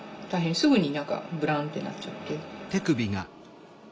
すぐに何かブランってなっちゃって。